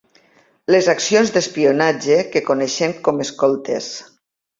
Les accions d'espionatge que coneixem com escoltes.